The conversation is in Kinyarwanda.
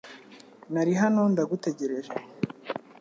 Nari hano ndagutegereje .